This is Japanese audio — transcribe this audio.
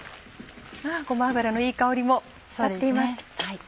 ごま油のいい香りも立っています。